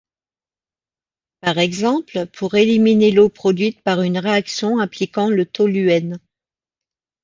Par exemple, pour éliminer l’eau produite par une réaction impliquant le toluène.